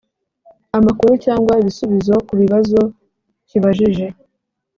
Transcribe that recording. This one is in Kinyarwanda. Amakuru cyangwa ibisubizo ku bibazo kibajije